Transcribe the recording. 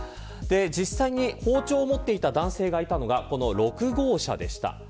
実際に包丁を持っていた男性がいたのが６号車でした。